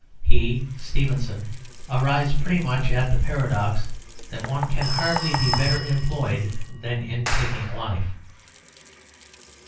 "He [Stevenson] arrives pretty much at the paradox that one can hardly be better employed than in taking life."